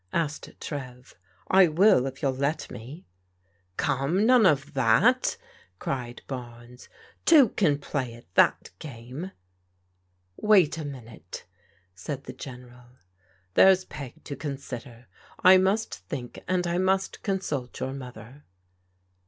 asked Trev. " I will, if you'll let me." "Come, none of that !" cried Barnes, " Two can play at that game !"" Wait a minute," said the General ;" there's Peg to consider. I must think and I must consult your mother."